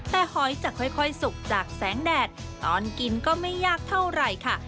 แต่หอยจะค่อยสุกจากแสงแดดตอนกินก็ไม่ยากเท่าไหร่ค่ะ